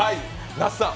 那須さん